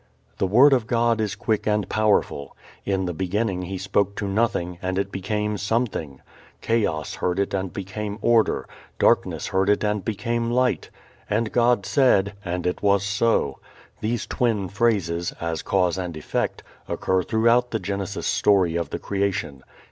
The Word of God is quick and powerful. In the beginning He spoke to nothing, and it became something. Chaos heard it and became order, darkness heard it and became light. "And God said and it was so." These twin phrases, as cause and effect, occur throughout the Genesis story of the creation.